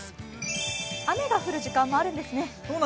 雨が降る時間もあるんですね。